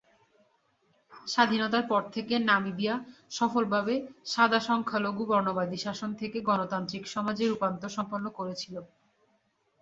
স্বাধীনতার পর থেকে নামিবিয়া সফলভাবে সাদা সংখ্যালঘু বর্ণবাদী শাসন থেকে গণতান্ত্রিক সমাজে রূপান্তর সম্পন্ন করেছিল।